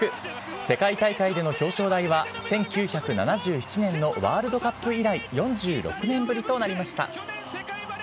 世界大会での表彰台は、１９７７年のワールドカップ以来、４６年ぶりとなりました。